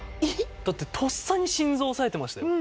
だってとっさに心臓押さえてましたよ。